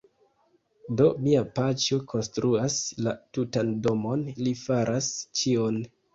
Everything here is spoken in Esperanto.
Do, mia paĉjo konstruas la tutan domon, li faras ĉion